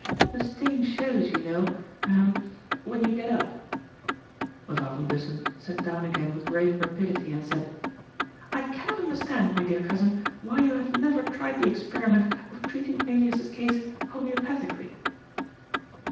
The stain shows, you know — ahem — ^when you get up." Mevrouw van Bussen sat down again with great rapidity, and said : y ^ I cannot understand, my dear cousin, why you have never tried the experiment of treating Elias's case homodo pathically."